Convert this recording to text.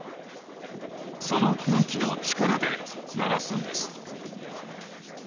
その空気の力で鳴らすんです